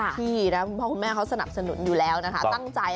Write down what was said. เค้าสนับสนุนอยู่แล้วนะคะตั้งใจ